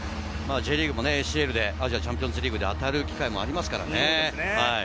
ＪリーグもＡＣＬでチャンピオンズリーグで当たる可能性がありますからね。